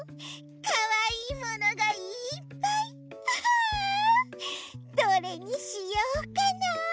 あどれにしようかなあ？